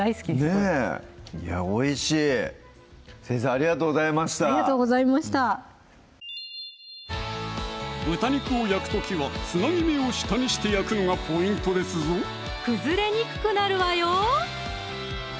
これいやぁおいしい先生ありがとうございましたありがとうございました豚肉を焼く時はつなぎ目を下にして焼くのがポイントですぞ崩れにくくなるわよ！